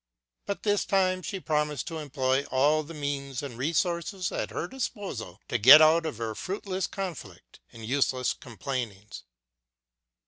But this time she promised to employ all the means and resources at her disposal to get out of her fruitless conflict and useless complainings.